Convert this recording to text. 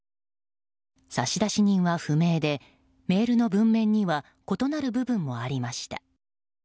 差出人は不明でメールの文面には異なる部分もありました。